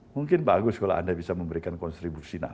mungkin bagus kalau anda bisa memberikan kontribusi